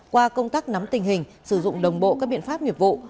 qua công tác nắm tình hình sử dụng đồng bộ các biện pháp nghiệp vụ